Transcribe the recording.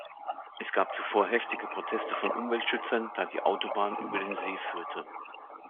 Es gab zuvor heftige Proteste von Umweltschützern, da die Autobahn über den See führte.